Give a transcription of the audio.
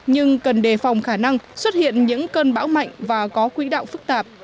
nhưng cần đề phòng khả năng xuất hiện những cơn bão mạnh và có quỹ đạo phức tạp